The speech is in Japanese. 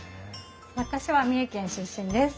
私は三重県出身です。